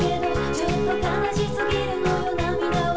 「ちょっと悲しすぎるのよ涙は」